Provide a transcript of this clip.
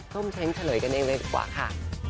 ลุ้มแช้นเฉลยได้เลยดีกว่าค่ะ